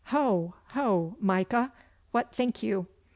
Ho, ho, Micah! what think you?